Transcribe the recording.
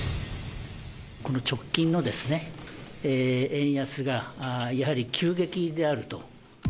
この直近の円安がやはり急激であると。